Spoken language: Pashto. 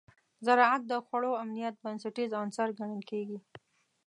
زراعت د خوړو امنیت بنسټیز عنصر ګڼل کېږي.